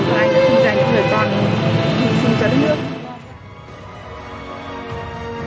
xin dành cho người toàn xin cho đất nước